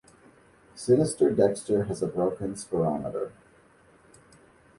Sinister Dexter has a broken spirometer.